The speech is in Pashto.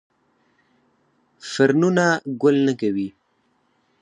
فرنونه ګل نه کوي